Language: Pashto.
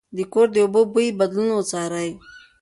د کور د اوبو بوی بدلون وڅارئ.